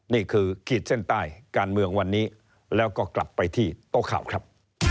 ขีดเส้นใต้การเมืองวันนี้แล้วก็กลับไปที่โต๊ะข่าวครับ